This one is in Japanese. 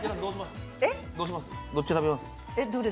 どっち食べます？